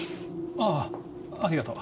あぁありがとう。